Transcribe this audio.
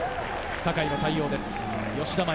酒井の対応です。